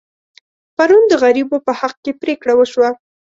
پرون د غریبو په حق کې پرېکړه وشوه.